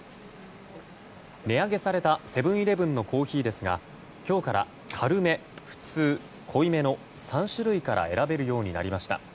値上げされたセブン‐イレブンのコーヒーですが今日から軽め、ふつう、濃いめの３種類から選べるようになりました。